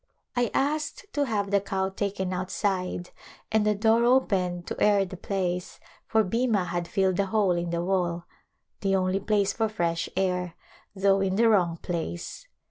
I asked to have the cow taken outside and the door opened to air the place for Bhima had filled the hole in the wall, the only place for fresh air, though in the wrong place.